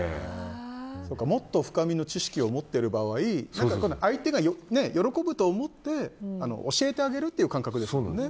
もっと深みの知識を持ってる場合相手が喜ぶと思って教えてあげるという感覚ですよね。